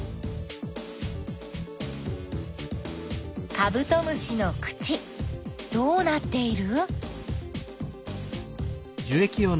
カブトムシの口どうなっている？